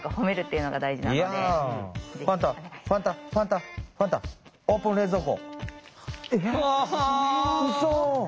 うそ。